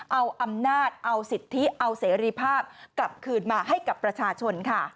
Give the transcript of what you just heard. เอาอำนาจเอาสิทธิเอาเสรีภาพกลับคืนมาให้กับประชาชนค่ะ